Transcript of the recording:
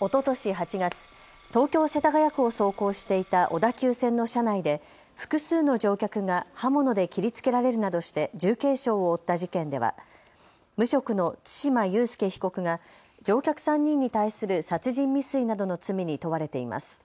おととし８月、東京世田谷区を走行していた小田急線の車内で複数の乗客が刃物で切りつけられるなどして重軽傷を負った事件では無職の對馬悠介被告が乗客３人に対する殺人未遂などの罪に問われています。